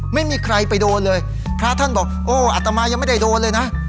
ไม่มีใครไปโดนเลยพระท่านบอกโอ้อัตมายังไม่ได้โดนเลยนะ